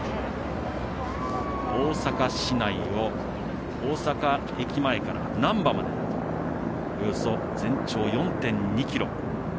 大阪市内を大阪駅前から難波まで、およそ全長４．２ｋｍ。